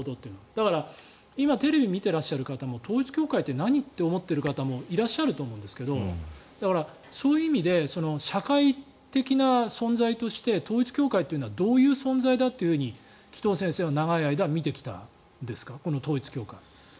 だから今、テレビを見ていらっしゃる方も統一教会って何？って思っている方もいらっしゃると思うんですがだからそういう意味で社会的な存在として統一教会はどういう存在だと紀藤先生は長い間、見てきたんですか。